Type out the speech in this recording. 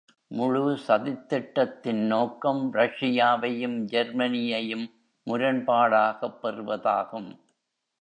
முழு சதித்திட்டத்தின் நோக்கம் ரஷ்யாவையும் ஜெர்மனியையும் முரண்பாடாகப் பெறுவதாகும்.